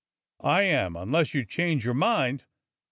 ^^" "I am, unless you change your mind."